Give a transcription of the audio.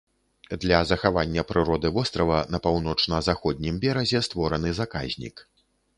Для захавання прыроды вострава на паўночна-заходнім беразе створаны заказнік.